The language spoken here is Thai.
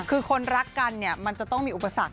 คือคนรักกันเนี่ยมันจะต้องมีอุปสรรค